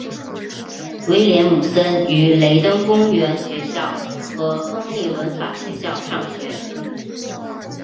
威廉姆森于雷登公园学校和亨利文法学校上学。